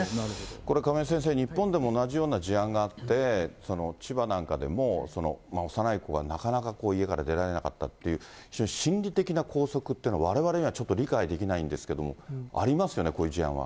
これ、亀井先生、日本でも同じような事案があって、千葉なんかでも、幼い子がなかなか家から出られなかったっていう、心理的な拘束っていうの、われわれにはちょっと理解できないんですけれども、ありますよね、こういう事案は。